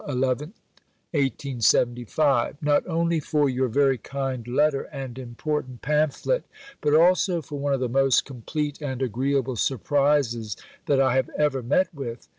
11, 1875), "not only for your very kind letter and important pamphlet, but also for one of the most complete and agreeable surprises that I have ever met with.